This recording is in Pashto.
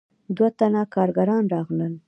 دوه تنه کارګران راغلل.